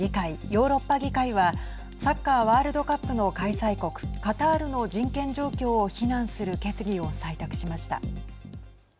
ヨーロッパ議会はサッカーワールドカップの開催国カタールの人権状況を非難する決議を採択しました。